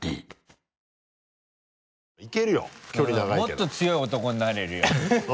もっと強い男になれるよ。